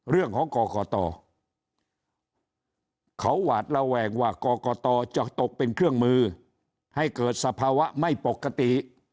เรื่องของกรกตเขาหวาดระแวงว่ากรกตจะตกเป็นเครื่องมือให้เกิดสภาวะไม่ปกติ